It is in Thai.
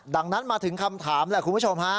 ดังนั้นมาถึงคำถามแหละคุณผู้ชมฮะ